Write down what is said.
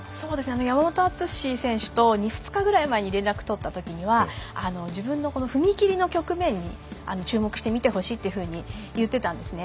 山本篤選手と２日ぐらい前に連絡を取ったときには自分の踏み切りの局面に注目して見てほしいというふうに言ってたんですね。